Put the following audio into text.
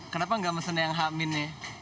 kenapa nggak mesen yang h min ya